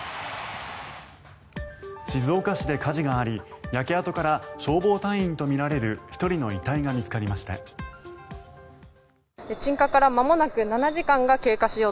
静岡市で火事があり焼け跡から消防隊員とみられる１人の遺体が見つかりました。